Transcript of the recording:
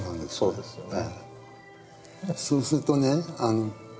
そうですよね。